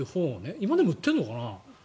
今でも売ってるのかな。